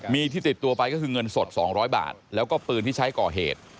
มีที่ติดตัวไปก็คือเงินสด๒๐๐บาทแล้วก็ปืนที่ใช้ก่อเหตุ